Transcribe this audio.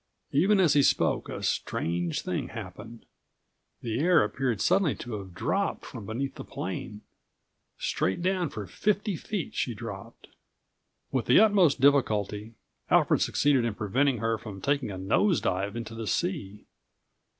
Even as he spoke, a strange thing happened. The air appeared suddenly to have dropped from beneath the plane. Straight down for fifty feet she dropped. With the utmost difficulty Alfred succeeded in preventing her from taking a nose dive into the sea.